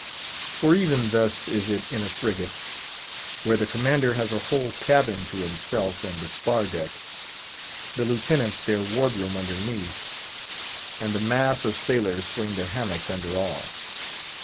For even thus is it in a frigate, where the commander has a whole cabin to himself and the spar deck, the lieutenants their ward room underneath, and the mass of sailors swing their hammocks under all.